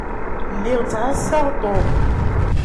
Lliɣ ttɛassaɣ Tom.